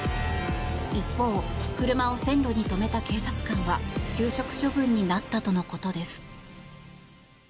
一方、車を線路に止めた警察官は休職処分になったとのことです。